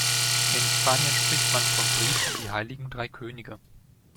In Spanien spricht man vom Brief an die Heiligen Drei Könige.